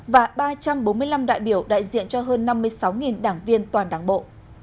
và ba trăm bốn mươi năm đại biểu đại diện cho hơn năm mươi sáu đảng viên toàn đảng bộ